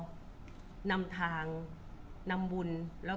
คุณผู้ถามเป็นความขอบคุณค่ะ